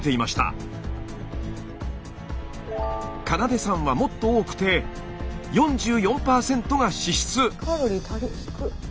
花奏さんはもっと多くて４４％が脂質。